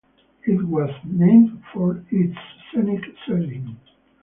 It was named for its scenic setting.